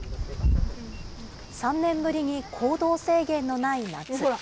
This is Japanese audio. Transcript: ３年ぶりに行動制限のない夏。